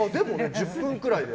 １０分くらいで。